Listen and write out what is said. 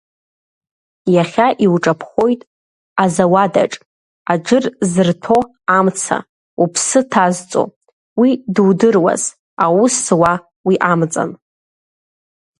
Иахьа иуҿаԥхоит азауадаҿ, аџыр зырҭәо амца, уԥсы ҭазҵо, уи дудыруаз, аус зуа уи амҵан.